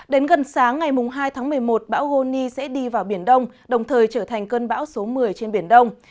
đến gần sáng ngày hai tháng một mươi một bão goni sẽ đi vào biển đông đồng thời trở thành cơn bão số một mươi trên biển đông